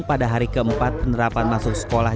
pada hari keempat penerapan masuk sekolah